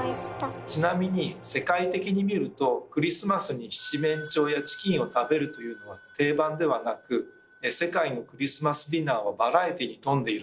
ちなみに世界的に見るとクリスマスに七面鳥やチキンを食べるというのは定番ではなく世界のクリスマスディナーはバラエティーに富んでいるんです。